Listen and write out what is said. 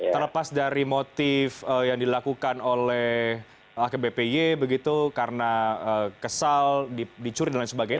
terlepas dari motif yang dilakukan oleh akbpy begitu karena kesal dicuri dan lain sebagainya